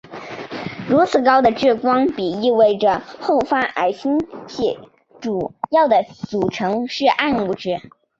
如此高的质光比意味着后发座矮星系主要的组成是暗物质。